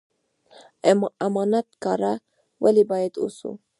امانت کاره ولې باید اوسو؟